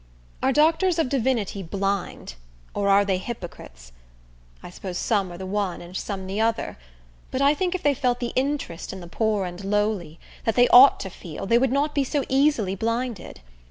Are doctors of divinity blind, or are they hypocrites? I suppose some are the one, and some the other; but I think if they felt the interest in the poor and the lowly, that they ought to feel, they would not be so easily blinded.